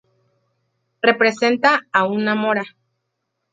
Representa a una mora.